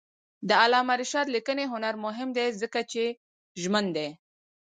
د علامه رشاد لیکنی هنر مهم دی ځکه چې ژمن دی.